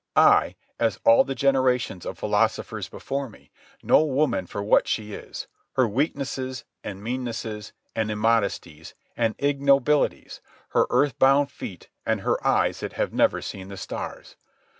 I, as all the generations of philosophers before me, know woman for what she is—her weaknesses, and meannesses, and immodesties, and ignobilities, her earth bound feet, and her eyes that have never seen the stars.